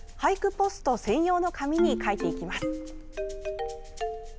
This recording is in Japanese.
ポスト専用の紙に書いていきます。